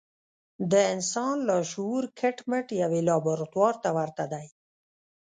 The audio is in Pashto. د انسان لاشعور کټ مټ يوې لابراتوار ته ورته دی.